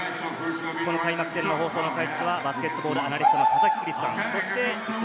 この開幕戦の放送の解説はバスケットボールアナリストの佐々木クリスさん。